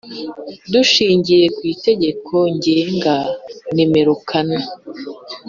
Dushingiye ku Itegeko Ngenga nimero kane